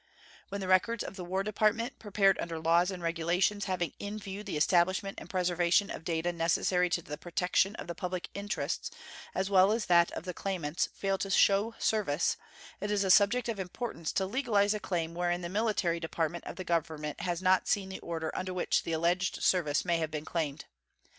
When the records of the War Department, prepared under laws and regulations having in view the establishment and preservation of data necessary to the protection of the public interests as well as that of the claimants, fail to show service, it is a subject of importance to legalize a claim wherein the military department of the Government has not seen the order under which the alleged service may have been claimed.